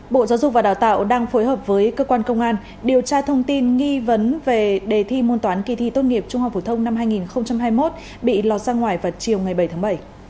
bộ giáo dục và đào tạo đang phối hợp với cơ quan công an điều tra thông tin nghi vấn về đề thi môn toán kỳ thi tốt nghiệp trung học phổ thông năm hai nghìn hai mươi một bị lọt ra ngoài vào chiều ngày bảy tháng bảy